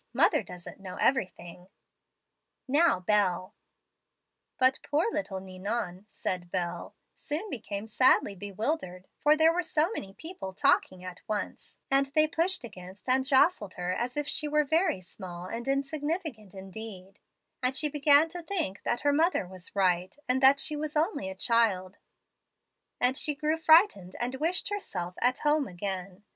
Mother doesn't know everything.'" "Now, Bel." "But poor little Ninon," said Bel, "soon became sadly bewildered, for there were so many people all talking at once, and they pushed against and jostled her as if she were very small and insignificant indeed, and she began to think that her mother was right, and that she was only a child; and she grew frightened and wished herself at home again.